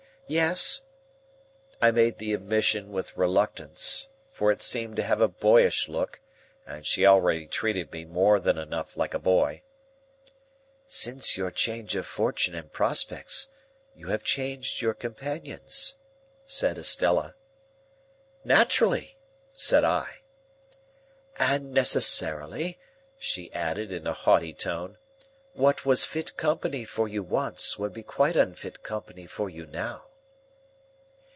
"Yes." I made the admission with reluctance, for it seemed to have a boyish look, and she already treated me more than enough like a boy. "Since your change of fortune and prospects, you have changed your companions," said Estella. "Naturally," said I. "And necessarily," she added, in a haughty tone; "what was fit company for you once, would be quite unfit company for you now."